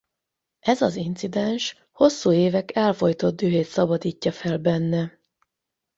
Ez az incidens hosszú évek elfojtott dühét szabadítja fel benne.